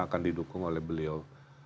akan didukung oleh beliau